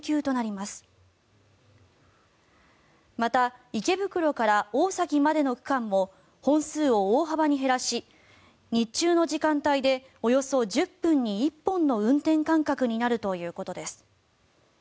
また、池袋から大崎までの区間も本数を大幅に減らし日中の時間帯でおよそ１０分に１本の運転間隔になるということです。